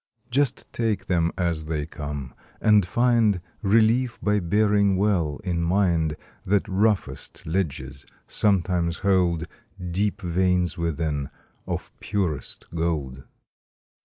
Just take them as they come, and find Relief by bearing well in mind That roughest ledges sometimes hold Deep veins within of purest gold.